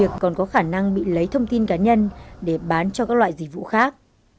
không có khả năng bị lấy thông tin cá nhân để bán cho các loại dịch vụ khác